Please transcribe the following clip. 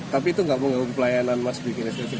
tapi itu gak menggabung pelayanan mas bikin istri